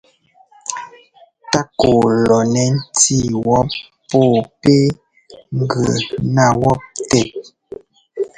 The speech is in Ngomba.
Tákɔ lɔ nɛ ńtí wɔ́p pɔ́ɔ pɛ́ gʉ ná wɔ́p tɛt.